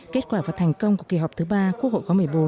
kết quả và thành công của kỳ họp thứ ba quốc hội khóa một mươi bốn